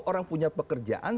orang punya pekerjaan